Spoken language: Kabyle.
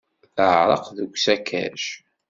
Teɛreq deg usakac.